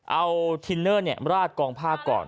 เอาทินเนอร์เนี่ยราดกองพ่าก่อน